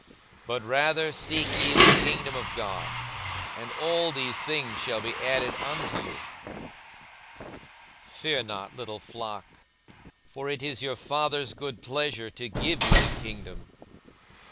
42:012:031 But rather seek ye the kingdom of God; and all these things shall be added unto you. 42:012:032 Fear not, little flock; for it is your Father's good pleasure to give you the kingdom.